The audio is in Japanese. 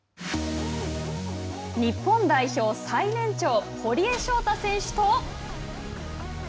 日本代表最年長、堀江翔太選手と。